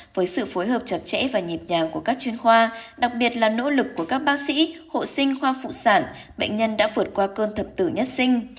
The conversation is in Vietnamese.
với sự phối hợp chặt chẽ và nhịp nhàng của các chuyên khoa đặc biệt là nỗ lực của các bác sĩ hộ sinh khoa phụ sản bệnh nhân đã vượt qua cơn thập tử nhất sinh